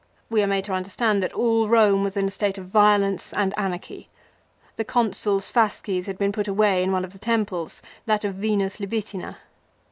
We are made to understand that all Home was in a state of violence and anarchy. The Consuls' fasces had been put away in one of the temples, that of Venus Libitina.